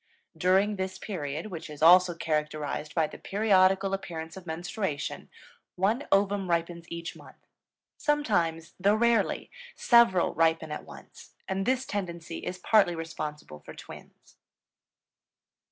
During this period, which is also characterized by the periodical appearance of menstruation, one ovum ripens each month; sometimes, though rarely, several ripen at once, and this tendency is partly responsible for twins.